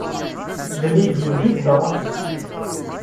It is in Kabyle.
Ittban-iyi-d yewjed Dda Racid.